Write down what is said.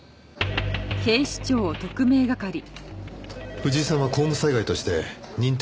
藤井さんは公務災害として認定されてました。